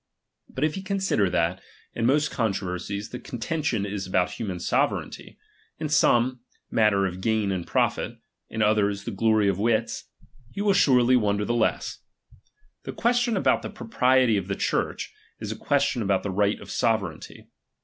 But if he con sider that, in most controversies, the contention is about human sovereignty ; in some, matter of gain and profit ; in others, the glory of wits : he will surely wonder the less. The question about the propriety of the Church, is a question about the right of sovereignty.